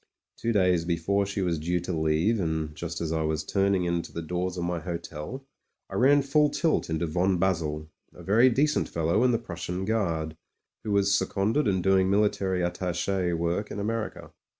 Two days before she was due to leave, and just as I was turning into the doors of my hotel, I ran full tilt into von Basel — a very decent fellow in the Prussian Guard — ^who was seconded and doing military attache work in America.